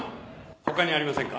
他にありませんか？